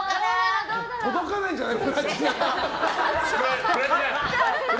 届かないんじゃない？